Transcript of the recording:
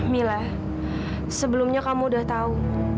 mila sebelumnya kamu udah tahu